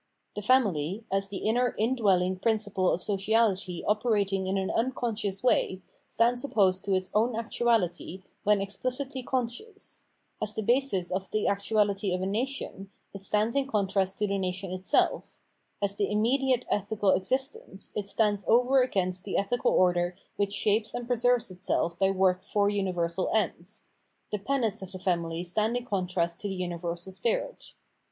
The family, as the inner indwelling principle of sociality operating in an unconscious way, stands opposed to its own actuahty when expKcitly con scious ; as the basis of the actuahty of a nation, it stands in contrast to the nation itself ; as the immediate ethical existence, it stands over against the ethical order 443 The Ethical World which shapes and preserves itself by work for universal ends ; the Penates of the family stand in contrast to the universal spirit.